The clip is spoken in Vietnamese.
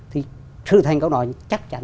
thì sự thành công đó chắc chắn